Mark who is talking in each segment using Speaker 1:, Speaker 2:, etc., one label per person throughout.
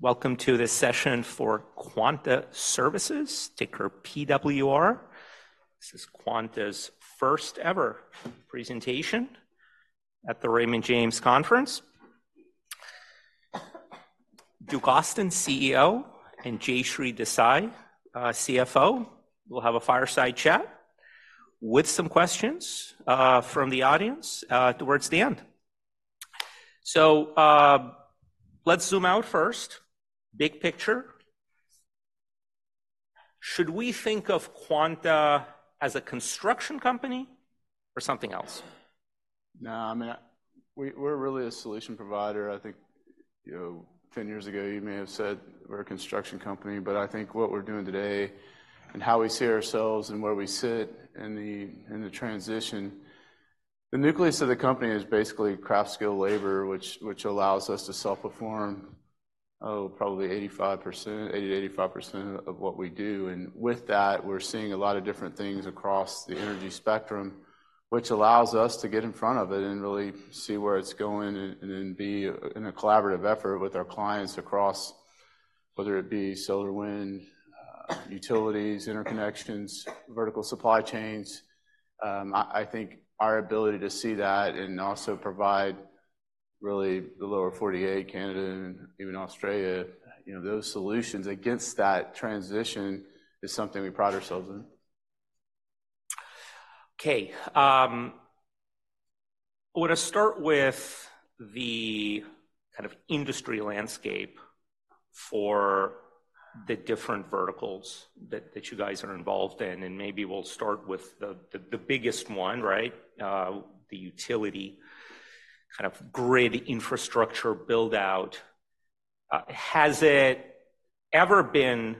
Speaker 1: Welcome to this session for Quanta Services, ticker PWR. This is Quanta's first-ever presentation at the Raymond James Conference. Duke Austin, CEO, and Jayshree Desai, CFO, will have a fireside chat with some questions from the audience towards the end. So let's zoom out first, big picture. Should we think of Quanta as a construction company or something else?
Speaker 2: No, I mean, we're really a solution provider. I think 10 years ago you may have said we're a construction company, but I think what we're doing today and how we see ourselves and where we sit in the transition, the nucleus of the company is basically craft skilled labor, which allows us to self-perform probably 80%-85% of what we do. And with that, we're seeing a lot of different things across the energy spectrum, which allows us to get in front of it and really see where it's going and then be in a collaborative effort with our clients across whether it be solar, wind, utilities, interconnections, vertical supply chains. I think our ability to see that and also provide really the Lower 48, Canada, and even Australia, those solutions against that transition is something we pride ourselves in.
Speaker 1: Okay. I want to start with the kind of industry landscape for the different verticals that you guys are involved in. Maybe we'll start with the biggest one, right? The utility kind of grid infrastructure buildout. Has it ever been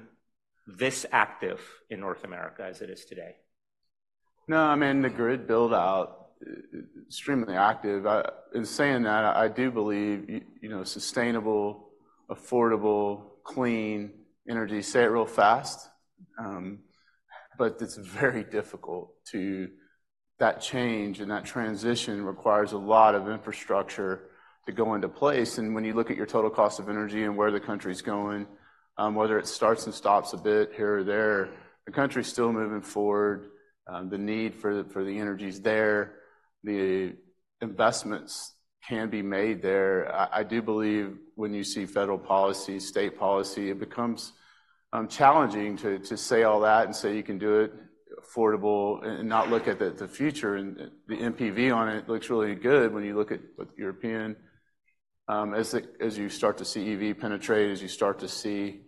Speaker 1: this active in North America as it is today?
Speaker 2: No, I mean, the grid buildout is extremely active. In saying that, I do believe sustainable, affordable, clean energy, say it real fast, but it's very difficult to, that change and that transition requires a lot of infrastructure to go into place. And when you look at your total cost of energy and where the country's going, whether it starts and stops a bit here or there, the country's still moving forward. The need for the energy's there. The investments can be made there. I do believe when you see federal policy, state policy, it becomes challenging to say all that and say you can do it affordable and not look at the future. And the NPV on it looks really good when you look at what the European—as you start to see EV penetrate, as you start to see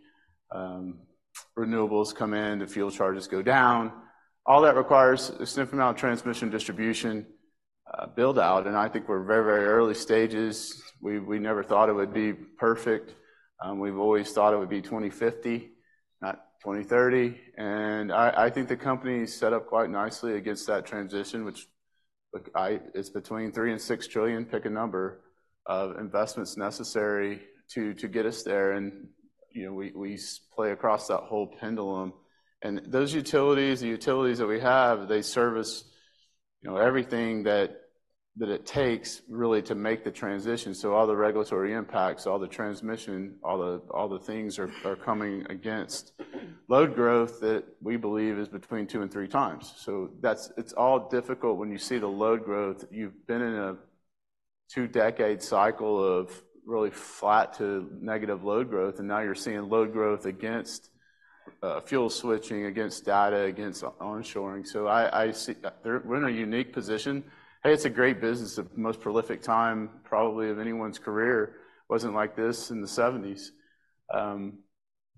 Speaker 2: renewables come in, the fuel charges go down—all that requires a significant amount of transmission distribution buildout. And I think we're very, very early stages. We never thought it would be perfect. We've always thought it would be 2050, not 2030. And I think the company's set up quite nicely against that transition, which is between $3-$6 trillion—pick a number—of investments necessary to get us there. And we play across that whole pendulum. And those utilities, the utilities that we have, they service everything that it takes really to make the transition. So all the regulatory impacts, all the transmission, all the things are coming against load growth that we believe is between two and three times. So it's all difficult when you see the load growth. You've been in a two-decade cycle of really flat to negative load growth, and now you're seeing load growth against fuel switching, against data, against onshoring. So we're in a unique position. Hey, it's a great business. The most prolific time probably of anyone's career wasn't like this in the 1970s.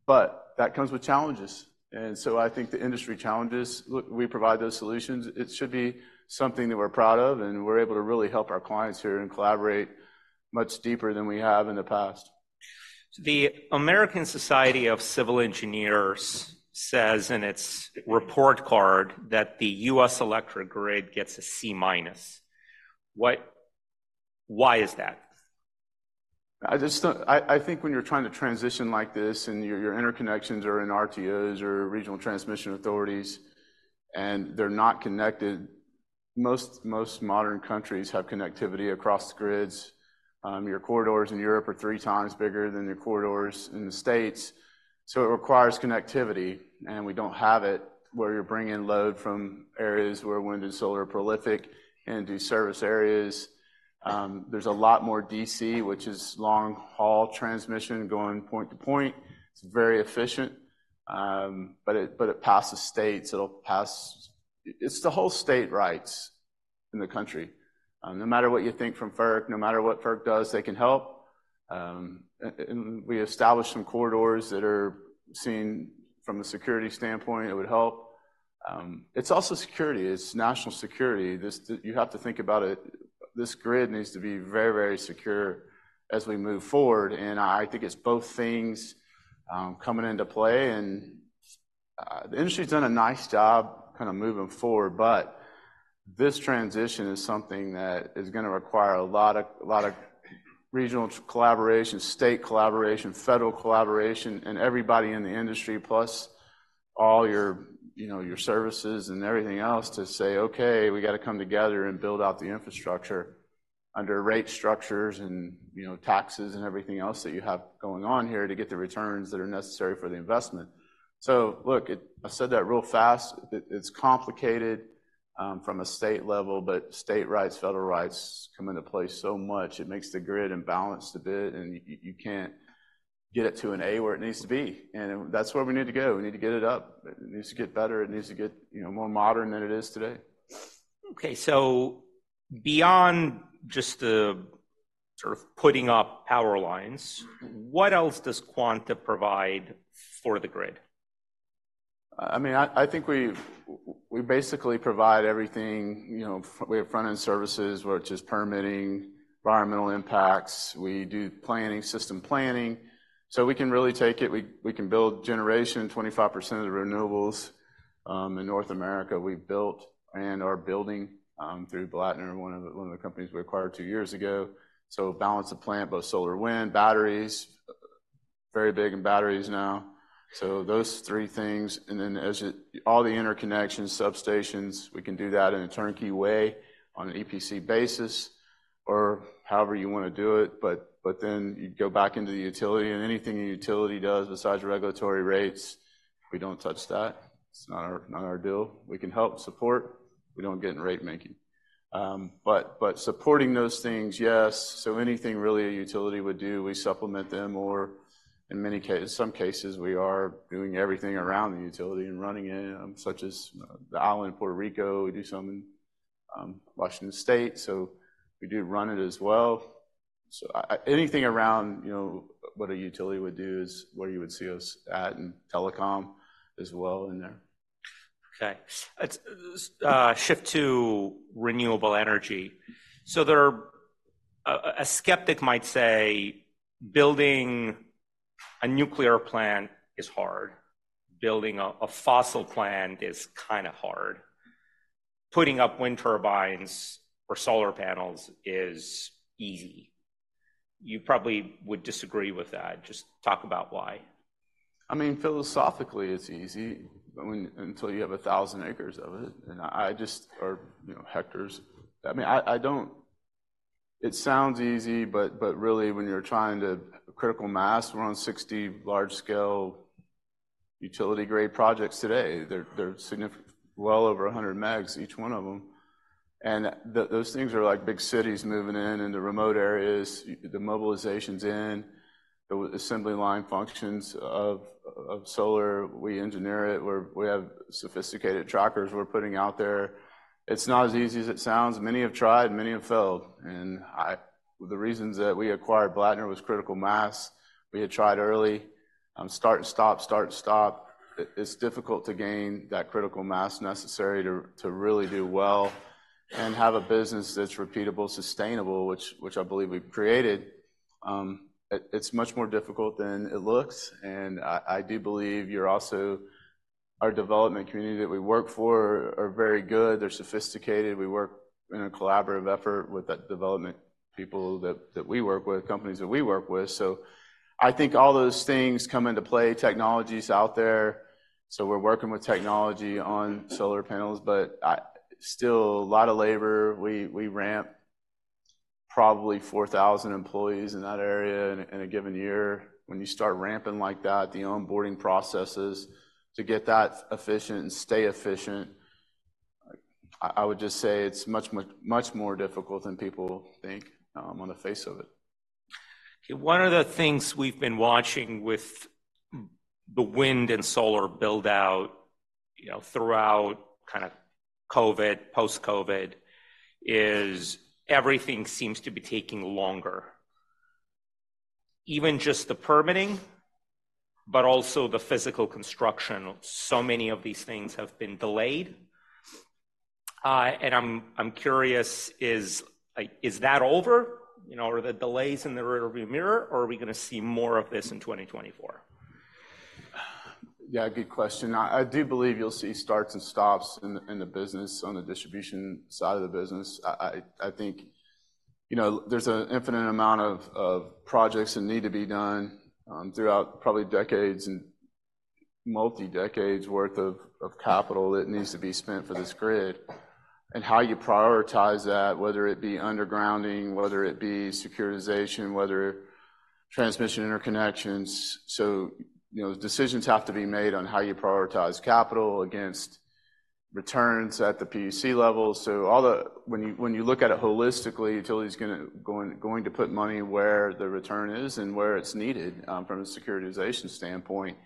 Speaker 2: But that comes with challenges. And so I think the industry challenges, we provide those solutions. It should be something that we're proud of, and we're able to really help our clients here and collaborate much deeper than we have in the past.
Speaker 1: The American Society of Civil Engineers says in its Report Card that the U.S. electric grid gets a C minus. Why is that?
Speaker 2: I think when you're trying to transition like this and your interconnections are in RTOs or regional transmission authorities and they're not connected, most modern countries have connectivity across the grids. Your corridors in Europe are three times bigger than your corridors in the States. It requires connectivity, and we don't have it where you're bringing load from areas where wind and solar are prolific into service areas. There's a lot more DC, which is long-haul transmission going point to point. It's very efficient, but it passes states. It'll pass. It's the whole state rights in the country. No matter what you think from FERC, no matter what FERC does, they can help. We established some corridors that are seen from a security standpoint, it would help. It's also security. It's national security. You have to think about it. This grid needs to be very, very secure as we move forward. And I think it's both things coming into play. And the industry's done a nice job kind of moving forward, but this transition is something that is going to require a lot of regional collaboration, state collaboration, federal collaboration, and everybody in the industry, plus all your services and everything else to say, "Okay, we got to come together and build out the infrastructure under rate structures and taxes and everything else that you have going on here to get the returns that are necessary for the investment." So look, I said that real fast. It's complicated from a state level, but state rights, federal rights come into play so much. It makes the grid imbalanced a bit, and you can't get it to an A where it needs to be. And that's where we need to go. We need to get it up. It needs to get better. It needs to get more modern than it is today.
Speaker 1: Okay. Beyond just the sort of putting up power lines, what else does Quanta provide for the grid?
Speaker 2: I mean, I think we basically provide everything. We have front-end services where it's just permitting, environmental impacts. We do system planning. So we can really take it. We can build generation in 25% of the renewables in North America. We built and are building through Blattner, one of the companies we acquired two years ago. So balance of plant, both solar and wind, batteries, very big in batteries now. So those three things. And then all the interconnections, substations, we can do that in a turnkey way on an EPC basis or however you want to do it. But then you go back into the utility, and anything the utility does besides regulatory rates, we don't touch that. It's not our deal. We can help support. We don't get in rate-making. But supporting those things, yes. So anything really a utility would do, we supplement them. Or in some cases, we are doing everything around the utility and running it, such as the island in Puerto Rico. We do some in Washington State. So we do run it as well. So anything around what a utility would do is where you would see us at and telecom as well in there.
Speaker 1: Okay. Shift to renewable energy. So a skeptic might say building a nuclear plant is hard. Building a fossil plant is kind of hard. Putting up wind turbines or solar panels is easy. You probably would disagree with that. Just talk about why.
Speaker 2: I mean, philosophically, it's easy until you have 1,000 acres of it or hectares. I mean, it sounds easy, but really when you're trying to critical mass, we're on 60 large-scale utility-grade projects today. They're well over 100 megs each one of them. And those things are like big cities moving in into remote areas. The mobilization's in. The assembly line functions of solar, we engineer it. We have sophisticated trackers we're putting out there. It's not as easy as it sounds. Many have tried and many have failed. And the reasons that we acquired Blattner was critical mass. We had tried early. Start and stop, start and stop. It's difficult to gain that critical mass necessary to really do well and have a business that's repeatable, sustainable, which I believe we've created. It's much more difficult than it looks. And I do believe our development community that we work for are very good. They're sophisticated. We work in a collaborative effort with the development people that we work with, companies that we work with. So I think all those things come into play. Technology's out there. So we're working with technology on solar panels, but still a lot of labor. We ramp probably 4,000 employees in that area in a given year. When you start ramping like that, the onboarding processes to get that efficient and stay efficient, I would just say it's much, much, much more difficult than people think on the face of it.
Speaker 1: Okay. One of the things we've been watching with the wind and solar buildout throughout kind of COVID, post-COVID, is everything seems to be taking longer. Even just the permitting, but also the physical construction. So many of these things have been delayed. And I'm curious, is that over? Are the delays in the rearview mirror, or are we going to see more of this in 2024?
Speaker 2: Yeah, good question. I do believe you'll see starts and stops in the business, on the distribution side of the business. I think there's an infinite amount of projects that need to be done throughout probably decades and multi-decades' worth of capital that needs to be spent for this grid. And how you prioritize that, whether it be undergrounding, whether it be securitization, whether transmission interconnections. So decisions have to be made on how you prioritize capital against returns at the PUC level. So when you look at it holistically, utility's going to put money where the return is and where it's needed from a securitization standpoint.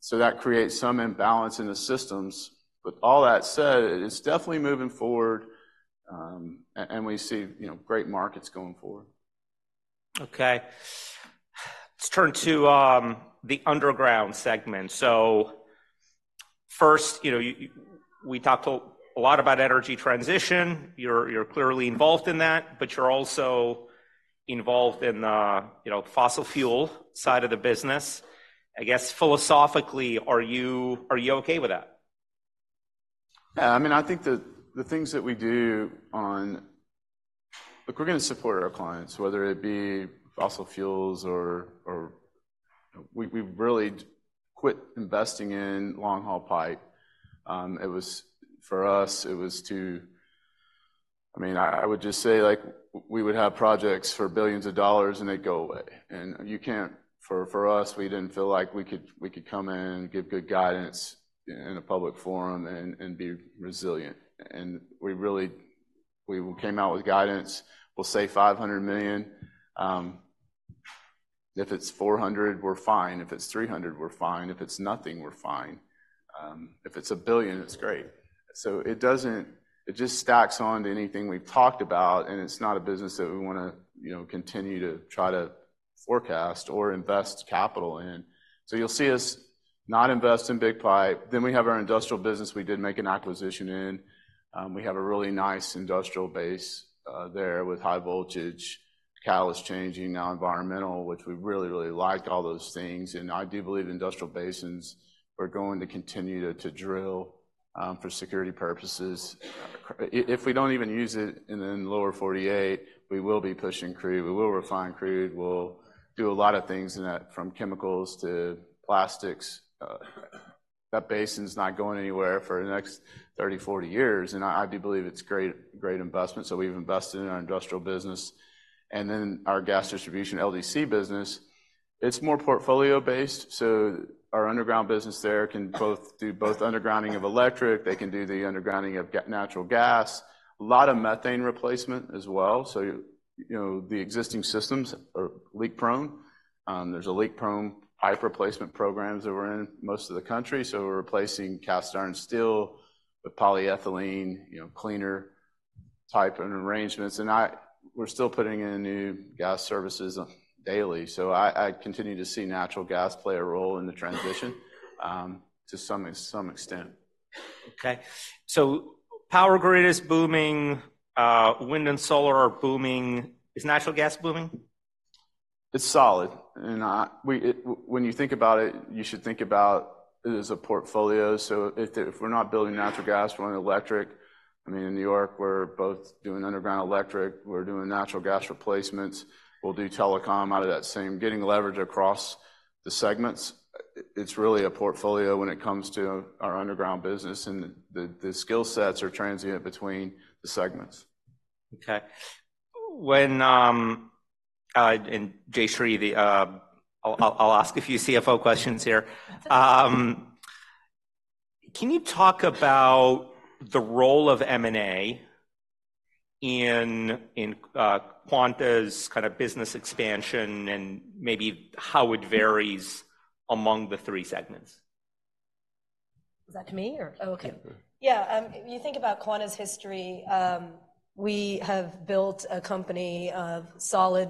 Speaker 2: So that creates some imbalance in the systems. With all that said, it's definitely moving forward, and we see great markets going forward.
Speaker 1: Okay. Let's turn to the underground segment. So first, we talked a lot about energy transition. You're clearly involved in that, but you're also involved in the fossil fuel side of the business. I guess philosophically, are you okay with that?
Speaker 2: Yeah. I mean, I think the things that we do on look, we're going to support our clients, whether it be fossil fuels or we've really quit investing in long-haul pipe. For us, it was to—I mean, I would just say we would have projects for $ billions, and they'd go away. And for us, we didn't feel like we could come in, give good guidance in a public forum, and be resilient. And we came out with guidance. We'll save $500 million. If it's $400 million, we're fine. If it's $300 million, we're fine. If it's nothing, we're fine. If it's $1 billion, it's great. So it just stacks on to anything we've talked about, and it's not a business that we want to continue to try to forecast or invest capital in. So you'll see us not invest in big pipe. Then we have our industrial business we did make an acquisition in. We have a really nice industrial base there with high voltage. coal is changing now, environmental, which we really, really liked all those things. And I do believe industrial basins are going to continue to drill for security purposes. If we don't even use it in the Lower 48, we will be pushing crude. We will refine crude. We'll do a lot of things from chemicals to plastics. That basin's not going anywhere for the next 30-40 years. And I do believe it's great investment. So we've invested in our industrial business. And then our gas distribution, LDC business, it's more portfolio-based. So our underground business there can both do both undergrounding of electric. They can do the undergrounding of natural gas. A lot of methane replacement as well. So the existing systems are leak-prone. There's a leak-prone pipe replacement program that we're in most of the country. So we're replacing cast iron, steel with polyethylene, cleaner type of arrangements. And we're still putting in new gas services daily. So I continue to see natural gas play a role in the transition to some extent.
Speaker 1: Okay. So power grid is booming. Wind and solar are booming. Is natural gas booming?
Speaker 2: It's solid. And when you think about it, you should think about it as a portfolio. So if we're not building natural gas, we're on electric. I mean, in New York, we're both doing underground electric. We're doing natural gas replacements. We'll do telecom out of that same, getting leverage across the segments. It's really a portfolio when it comes to our underground business, and the skill sets are transient between the segments.
Speaker 1: Okay. Jayshree, I'll ask a few CFO questions here. Can you talk about the role of M&A in Quanta's kind of business expansion and maybe how it varies among the three segments?
Speaker 3: Is that to me, or? Oh, okay. Yeah. You think about Quanta's history. We have built a company of solid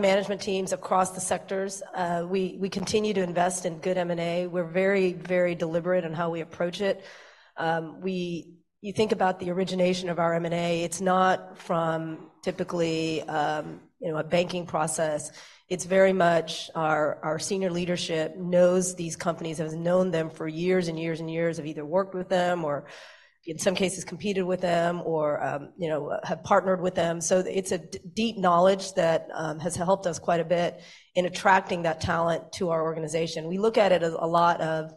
Speaker 3: management teams across the sectors. We continue to invest in good M&A. We're very, very deliberate in how we approach it. You think about the origination of our M&A. It's not from typically a banking process. It's very much our senior leadership knows these companies, has known them for years and years and years or either worked with them or in some cases competed with them or have partnered with them. So it's a deep knowledge that has helped us quite a bit in attracting that talent to our organization. We look at it a lot of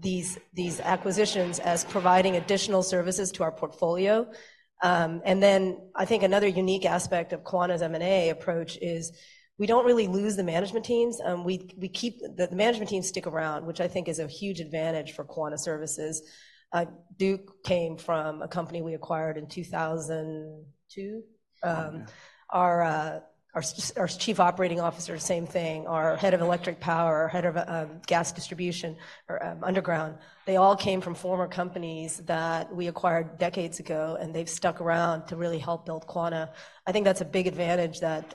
Speaker 3: these acquisitions as providing additional services to our portfolio. And then I think another unique aspect of Quanta's M&A approach is we don't really lose the management teams. The management teams stick around, which I think is a huge advantage for Quanta Services. Duke came from a company we acquired in 2002. Our Chief Operating Officer, same thing. Our head of electric power, head of gas distribution, underground, they all came from former companies that we acquired decades ago, and they've stuck around to really help build Quanta. I think that's a big advantage that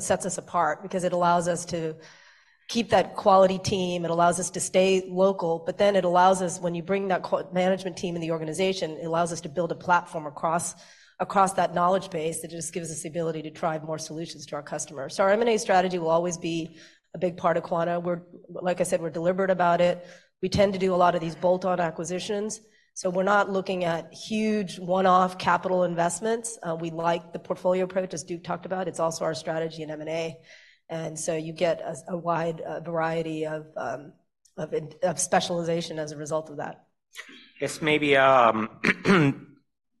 Speaker 3: sets us apart because it allows us to keep that quality team. It allows us to stay local, but then it allows us, when you bring that management team in the organization, it allows us to build a platform across that knowledge base that just gives us the ability to drive more solutions to our customers. So our M&A strategy will always be a big part of Quanta. Like I said, we're deliberate about it. We tend to do a lot of these bolt-on acquisitions. So we're not looking at huge one-off capital investments. We like the portfolio approach, as Duke talked about. It's also our strategy in M&A. And so you get a wide variety of specialization as a result of that.
Speaker 1: This may be a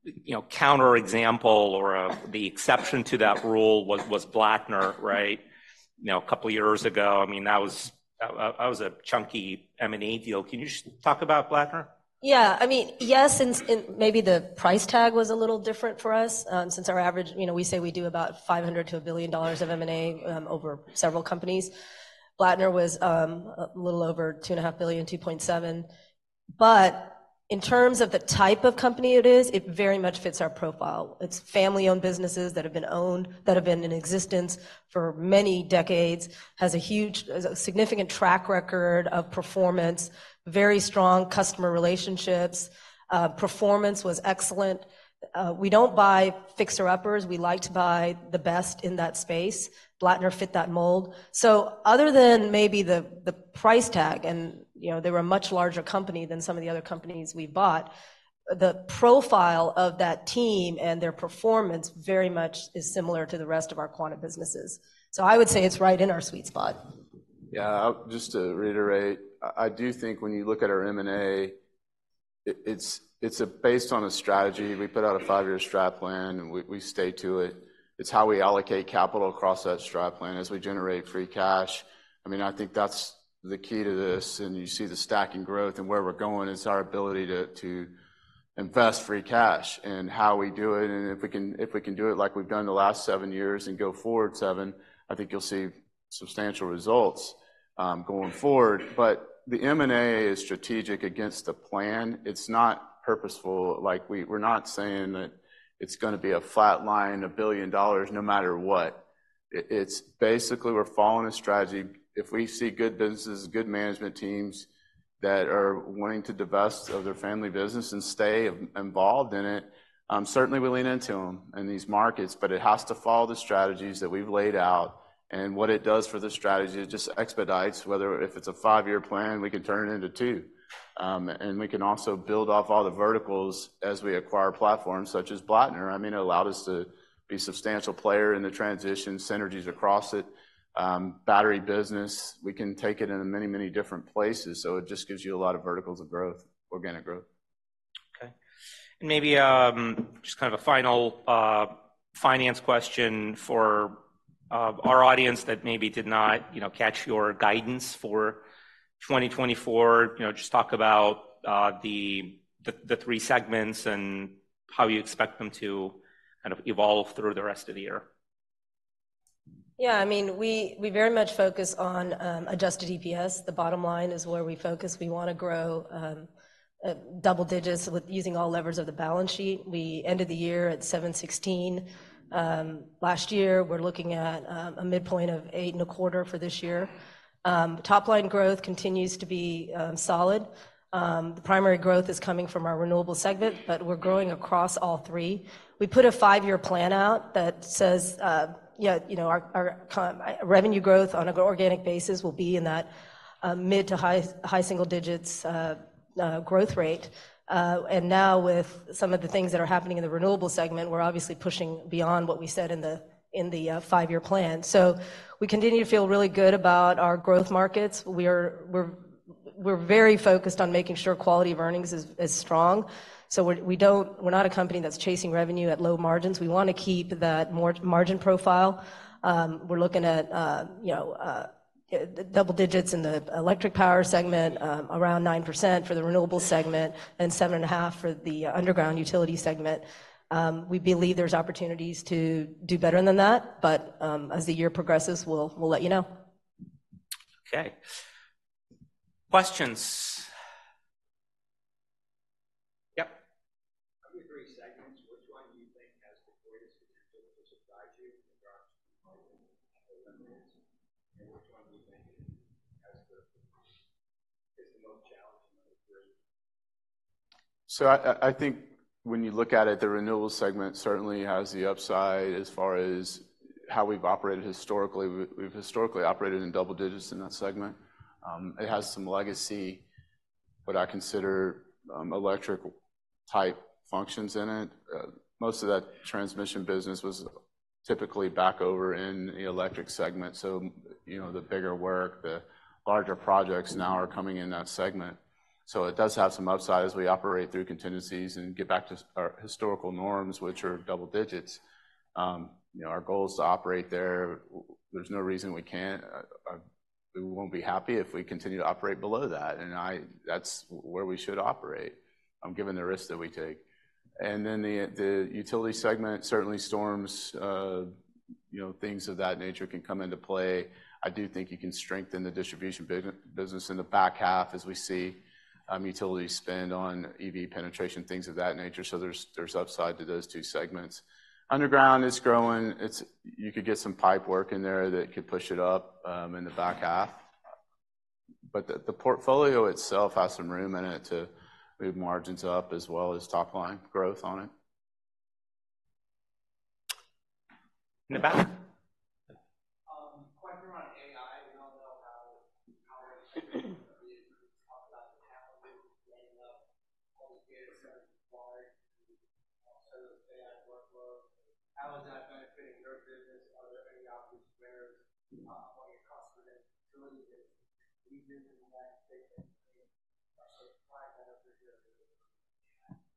Speaker 1: counterexample or the exception to that rule was Blattner, right? A couple of years ago, I mean, that was a chunky M&A deal. Can you just talk about Blattner?
Speaker 3: Yeah. I mean, yes, and maybe the price tag was a little different for us since our average we say we do about $500 million-$1 billion of M&A over several companies. Blattner was a little over $2.5 billion, $2.7 billion. But in terms of the type of company it is, it very much fits our profile. It's family-owned businesses that have been owned, that have been in existence for many decades, has a significant track record of performance, very strong customer relationships. Performance was excellent. We don't buy fixer-uppers. We like to buy the best in that space. Blattner fit that mold. So other than maybe the price tag, and they were a much larger company than some of the other companies we bought, the profile of that team and their performance very much is similar to the rest of our Quanta businesses. I would say it's right in our sweet spot.
Speaker 2: Yeah. Just to reiterate, I do think when you look at our M&A, it's based on a strategy. We put out a five-year strategic plan, and we stay to it. It's how we allocate capital across that strategic plan as we generate free cash. I mean, I think that's the key to this. And you see the stacking growth and where we're going. It's our ability to invest free cash and how we do it. And if we can do it like we've done the last seven years and go forward seven, I think you'll see substantial results going forward. But the M&A is strategic against the plan. It's not purposeful. We're not saying that it's going to be a flat line, $1 billion no matter what. Basically, we're following a strategy. If we see good businesses, good management teams that are wanting to divest of their family business and stay involved in it, certainly we lean into them in these markets. But it has to follow the strategies that we've laid out. And what it does for the strategy is just expedites. Whether if it's a five-year plan, we can turn it into two. And we can also build off all the verticals as we acquire platforms such as Blattner. I mean, it allowed us to be a substantial player in the transition, synergies across it. Battery business, we can take it in many, many different places. So it just gives you a lot of verticals of growth, organic growth.
Speaker 1: Okay. And maybe just kind of a final finance question for our audience that maybe did not catch your guidance for 2024. Just talk about the three segments and how you expect them to kind of evolve through the rest of the year.
Speaker 3: Yeah. I mean, we very much focus on adjusted EPS. The bottom line is where we focus. We want to grow double digits using all levers of the balance sheet. We ended the year at $7.16. Last year, we're looking at a midpoint of $8.25 for this year. Top line growth continues to be solid. The primary growth is coming from our renewable segment, but we're growing across all three. We put a five-year plan out that says our revenue growth on an organic basis will be in that mid to high single digits growth rate. And now with some of the things that are happening in the renewable segment, we're obviously pushing beyond what we said in the five-year plan. So we continue to feel really good about our growth markets. We're very focused on making sure quality of earnings is strong. We're not a company that's chasing revenue at low margins. We want to keep that margin profile. We're looking at double digits in the electric power segment, around 9% for the renewable segment, and 7.5% for the underground utility segment. We believe there's opportunities to do better than that, but as the year progresses, we'll let you know.
Speaker 1: Okay. Questions? Yep.
Speaker 4: Of the three segments, which one do you think has the greatest potential to surprise you in regards to the market and the revenues? And which one do you think is the most challenging of the three?
Speaker 2: So I think when you look at it, the renewable segment certainly has the upside as far as how we've operated historically. We've historically operated in double digits in that segment. It has some legacy, what I consider electric-type functions in it. Most of that transmission business was typically back over in the electric segment. So the bigger work, the larger projects now are coming in that segment. So it does have some upside as we operate through contingencies and get back to our historical norms, which are double digits. Our goal is to operate there. There's no reason we can't. We won't be happy if we continue to operate below that. And that's where we should operate, given the risks that we take. And then the utility segment certainly storms. Things of that nature can come into play. I do think you can strengthen the distribution business in the back half as we see utility spend on EV penetration, things of that nature. So there's upside to those two segments. Underground is growing. You could get some pipe work in there that could push it up in the back half. But the portfolio itself has some room in it to move margins up as well as top line growth on it.
Speaker 1: In the back?
Speaker 4: Question around AI. We all know how it's been talked about the challenges of bringing up all these data centers required to serve AI workload. How is that benefiting your business? Are there any obvious winners among your customers and utilities and regions in the United States that are sort of prime beneficiaries of AI?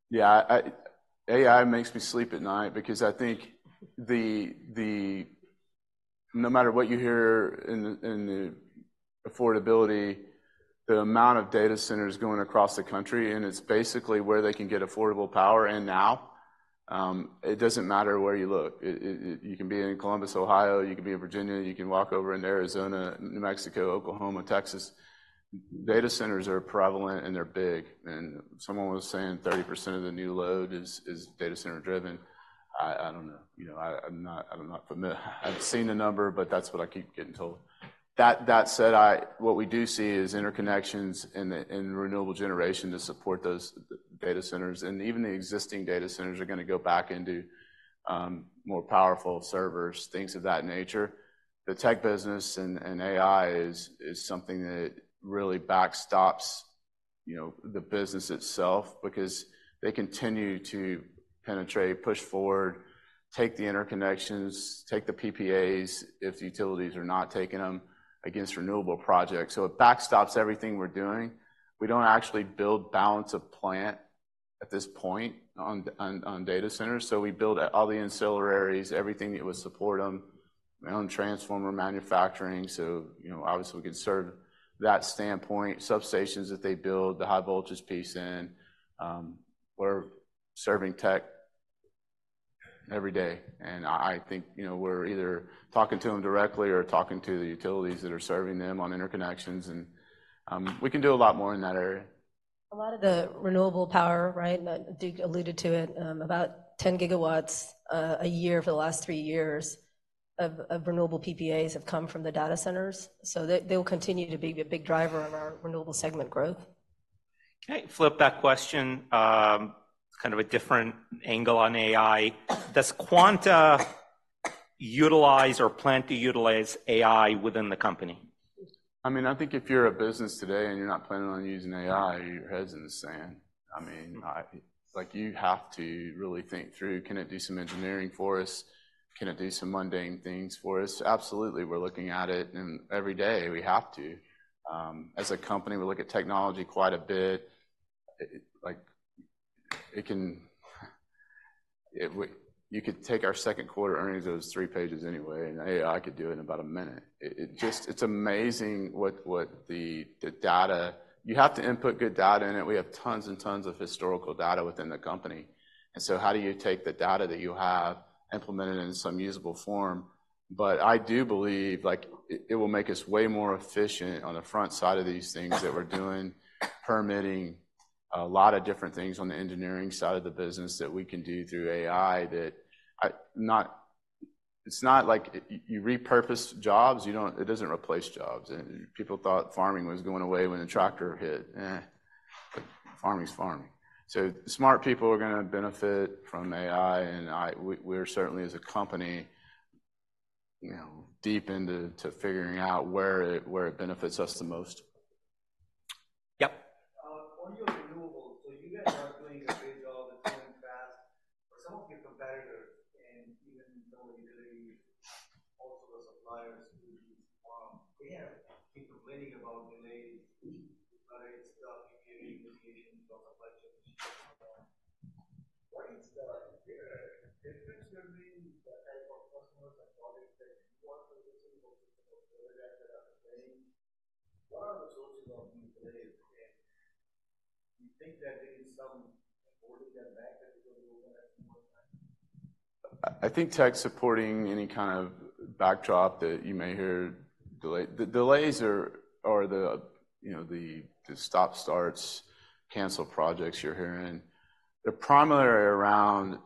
Speaker 2: Yeah. AI makes me sleep at night because I think no matter what you hear in the affordability, the amount of data centers going across the country, and it's basically where they can get affordable power. And now, it doesn't matter where you look. You can be in Columbus, Ohio. You can be in Virginia. You can walk over in Arizona, New Mexico, Oklahoma, Texas. Data centers are prevalent, and they're big. And someone was saying 30% of the new load is data center-driven. I don't know. I'm not familiar. I've seen the number, but that's what I keep getting told. That said, what we do see is interconnections in renewable generation to support those data centers. And even the existing data centers are going to go back into more powerful servers, things of that nature. The tech business and AI is something that really backstops the business itself because they continue to penetrate, push forward, take the interconnections, take the PPAs if the utilities are not taking them against renewable projects. So it backstops everything we're doing. We don't actually build balance of plant at this point on data centers. So we build all the ancillaries, everything that would support them, our own transformer manufacturing. So obviously, we can serve that standpoint, substations that they build, the high-voltage piece in. We're serving tech every day. And I think we're either talking to them directly or talking to the utilities that are serving them on interconnections. And we can do a lot more in that area.
Speaker 3: A lot of the renewable power, right? Duke alluded to it. About 10 GW a year for the last three years of renewable PPAs have come from the data centers. So they will continue to be a big driver of our renewable segment growth.
Speaker 1: Can I flip that question? Kind of a different angle on AI. Does Quanta utilize or plan to utilize AI within the company?
Speaker 2: I mean, I think if you're a business today and you're not planning on using AI, your head's in the sand. I mean, you have to really think through, can it do some engineering for us? Can it do some mundane things for us? Absolutely. We're looking at it, and every day we have to. As a company, we look at technology quite a bit. You could take our second quarter earnings of those three pages anyway, and AI could do it in about a minute. It's amazing what the data you have to input good data in it. We have tons and tons of historical data within the company. And so how do you take the data that you have implemented in some usable form? But I do believe it will make us way more efficient on the front side of these things that we're doing, permitting a lot of different things on the engineering side of the business that we can do through AI that it's not like you repurpose jobs. It doesn't replace jobs. People thought farming was going away when a tractor hit. Farming's farming.
Speaker 4: that there is some holding them back that they're going to open up in more time?
Speaker 2: I think tech supporting any kind of backdrop that you may hear delays. The delays are the stop-starts, canceled projects you're hearing. They're primarily around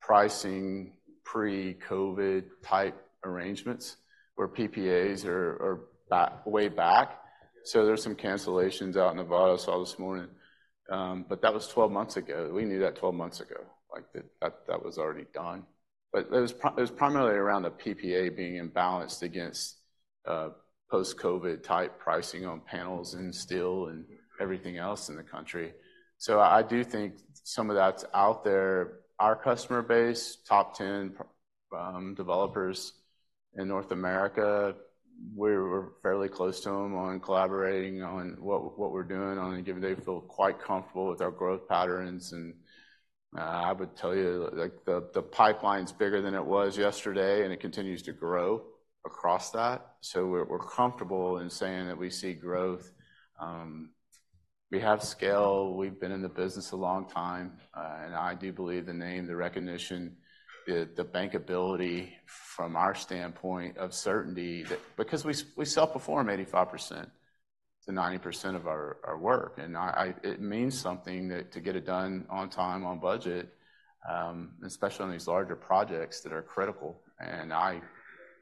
Speaker 2: pricing pre-COVID-type arrangements where PPAs are way back. So there's some cancellations out in Nevada. I saw this morning. But that was 12 months ago. We knew that 12 months ago. That was already done. But it was primarily around the PPA being imbalanced against post-COVID-type pricing on panels and steel and everything else in the country. So I do think some of that's out there. Our customer base, top 10 developers in North America, we're fairly close to them on collaborating on what we're doing on a given day. We feel quite comfortable with our growth patterns. And I would tell you, the pipeline's bigger than it was yesterday, and it continues to grow across that. We're comfortable in saying that we see growth. We have scale. We've been in the business a long time. I do believe the name, the recognition, the bankability from our standpoint of certainty because we self-perform 85%-90% of our work. It means something to get it done on time, on budget, especially on these larger projects that are critical.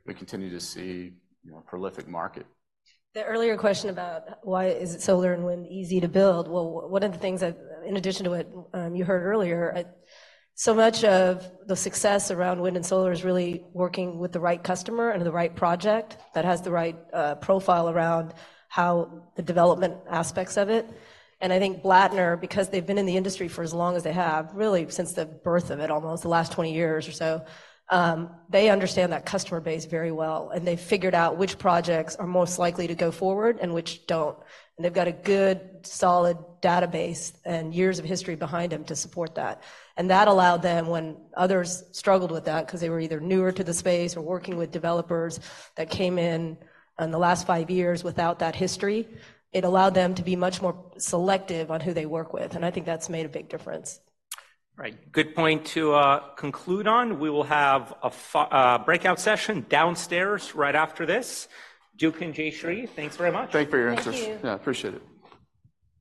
Speaker 2: We continue to see a prolific market.
Speaker 3: The earlier question about why is it solar and wind easy to build? Well, one of the things in addition to what you heard earlier, so much of the success around wind and solar is really working with the right customer and the right project that has the right profile around how the development aspects of it. And I think Blattner, because they've been in the industry for as long as they have, really since the birth of it almost, the last 20 years or so, they understand that customer base very well. And they've got a good, solid database and years of history behind them to support that. That allowed them, when others struggled with that because they were either newer to the space or working with developers that came in in the last five years without that history, it allowed them to be much more selective on who they work with. I think that's made a big difference.
Speaker 1: Right. Good point to conclude on. We will have a breakout session downstairs right after this. Duke and Jayshree, thanks very much.
Speaker 2: Thank you.
Speaker 1: Thank you.
Speaker 2: Yeah. Appreciate it.